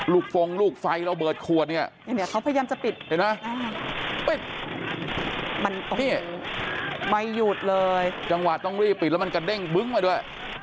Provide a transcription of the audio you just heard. ลูกฟองลูกไฟแล้วเบิร์ชคัวร์นี้ครับมันไม่หยุดเลยจังหวะต้องรีบปิดแล้วมันกระเด้งบึ๊งมาด้วย